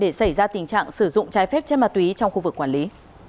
để xảy ra tình trạng sử dụng trái phép chất ma túy trong khu vực quản lý